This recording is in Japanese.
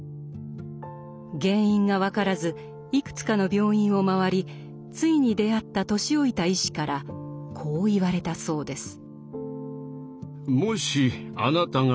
原因が分からずいくつかの病院を回りついに出会った年老いた医師からこう言われたそうです。